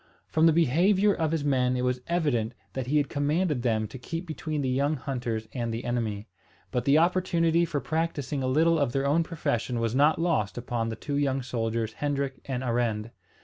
From the behaviour of his men it was evident that he had commanded them to keep between the young hunters and the enemy. But the opportunity for practising a little of their own profession was not lost upon the two young soldiers Hendrik and Arend.